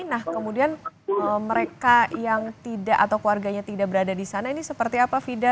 nah kemudian mereka yang tidak atau keluarganya tidak berada di sana ini seperti apa fida